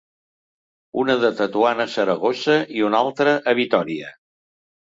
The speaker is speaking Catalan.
Una de Tetuan a Saragossa, i un altre a Vitòria.